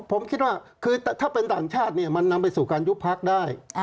ผมคิดว่าคือถ้าเป็นต่างชาติเนี่ยมันนำไปสู่การยุบพักได้